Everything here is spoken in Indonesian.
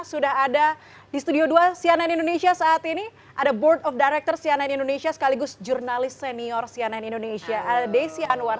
sudah ada di studio dua cnn indonesia saat ini ada board of director cnn indonesia sekaligus jurnalis senior cnn indonesia desi anwar